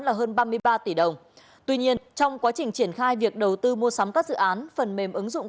là hơn ba mươi ba tỷ đồng tuy nhiên trong quá trình triển khai việc đầu tư mua sắm các dự án phần mềm ứng dụng